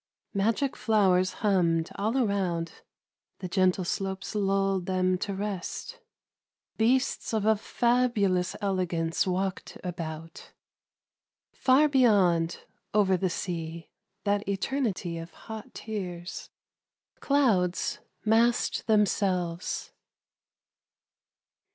Magic flowers hummed all around. The gentle slopes lulled them to rest. Beasts of a fabulous elegance walked about. Far beyond, over the sea — that eternity of hot tears — clouds massed themselves.